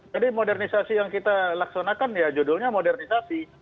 jadi modernisasi yang kita laksanakan ya judulnya modernisasi